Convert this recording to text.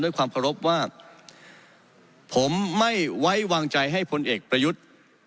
ความเคารพว่าผมไม่ไว้วางใจให้พลเอกประยุทธ์